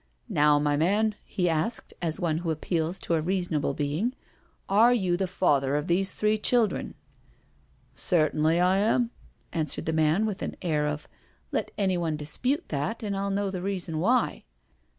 " Now, my man," he asked, as one who appeals to a reasonable being, " are you the father of these three children?'* " Certainly I am,*' answered the man, with an air of " Let anyone dispute that, and I'll know the reason why."